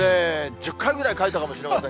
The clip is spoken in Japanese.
１０回ぐらい書いたかもしれません。